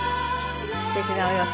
すてきなお洋服。